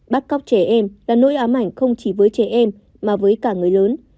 bắt cóc trẻ em là nỗi ám ảnh không chỉ với trẻ em mà với cả người lớn